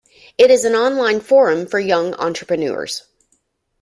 It is an online forum for young entrepreneurs.